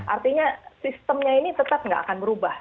artinya sistemnya ini tetap nggak akan berubah